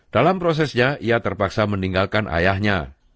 dalam prosesnya ia terpaksa meninggalkan ayahnya